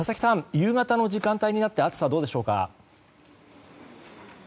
夕方の時間帯になって暑さはどうでしょうか？